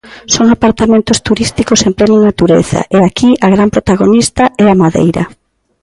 Son apartamentos turísticos en plena natureza e aquí a gran protagonista é a madeira.